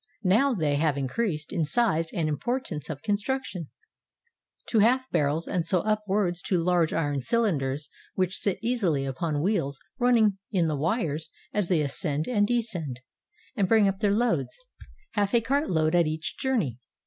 Now they have increased in size and importance of construction, — to half barrels and so upwards to large iron cylinders which sit easily upon wheels running in the wires as they ascend and descend and bring up their loads, half a cart load at each journey.